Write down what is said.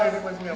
ini pasti nyamuk